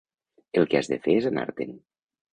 El que has de fer és anar-te'n.